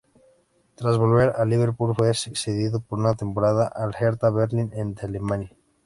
Tras volver a Liverpool, fue cedido por una temporada al Hertha Berlín de Alemania.